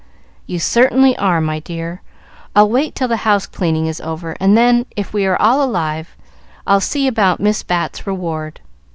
"You certainly are, my dear. I'll wait till the house cleaning is over, and then, if we are all alive, I'll see about Miss Bat's reward.